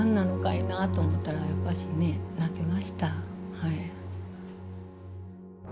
いなあと思ったらやっぱしねえ泣けました。